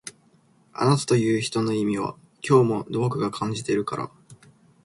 あなたという人の意味は今日も僕が感じてるから